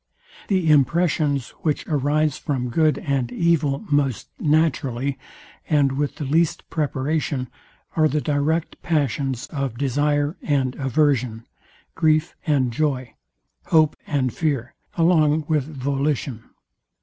The impressions, which arise from good and evil most naturally, and with the least preparation are the direct passions of desire and aversion, grief and joy, hope and fear, along with volition.